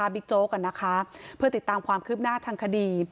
บิ๊กโจ้ก่อนนะคะเพื่อติดตามความคืบหน้าทางคดี